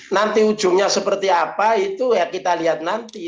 nanti ujungnya seperti apa itu ya kita lihat nanti